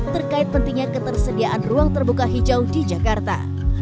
terkait pentingnya ketersediaan ruang terbuka hijau di jakarta